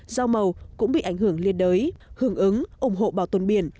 rau màu cũng bị ảnh hưởng liên đới hưởng ứng ủng hộ bảo tồn biển